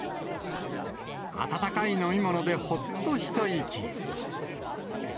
温かい飲み物でほっと一息。